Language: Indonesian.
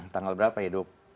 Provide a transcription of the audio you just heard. tanggal berapa ya